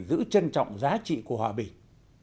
giữ trân trọng giá trị của hòa bình